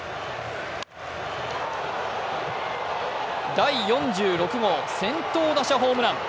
第４６号先頭打者ホームラン。